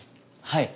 はい。